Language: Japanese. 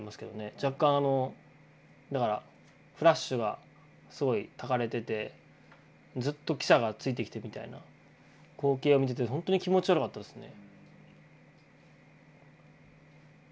若干あのだからフラッシュがすごいたかれててずっと記者がついてきてみたいな光景を見ててほんとに気持ち悪かったですね。